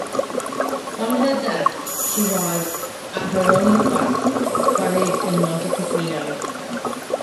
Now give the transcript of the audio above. On her death, she was, at her own request, buried in Montecassino.